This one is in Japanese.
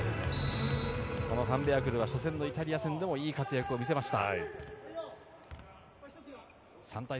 ファン・ベアクルは初戦のイタリア戦でもいい活躍を見せました。